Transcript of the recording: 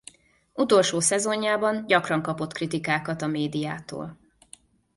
Utolsó szezonjában gyakran kapott kritikákat a médiától.